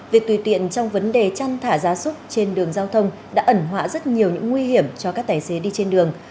việc tùy tiện trong vấn đề chăn thả ra súc trên đường giao thông đã ẩn họa rất nhiều những nguy hiểm cho các tài xế đi trên đường